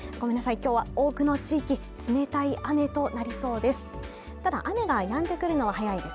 今日は多くの地域冷たい雨となりそうです